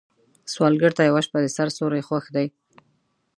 سوالګر ته یوه شپه د سر سیوری خوښ دی